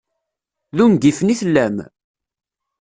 D ungifen i tellam?